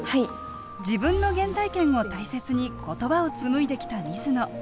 自分の原体験を大切に言葉を紡いできた水野。